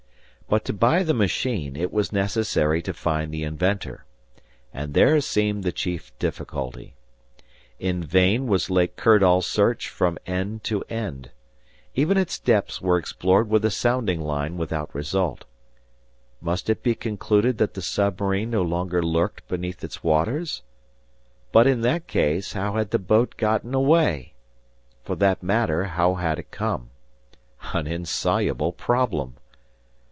But to buy the machine, it was necessary to find the inventor; and there seemed the chief difficulty. In vain was Lake Kirdall searched from end to end. Even its depths were explored with a sounding line without result. Must it be concluded that the submarine no longer lurked beneath its waters? But in that case, how had the boat gotten away? For that matter, how had it come? An insoluble problem!